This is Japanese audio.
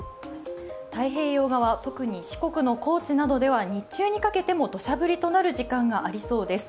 太平洋側は特に四国の高知などでは日中にかけても土砂降りになる可能性があります。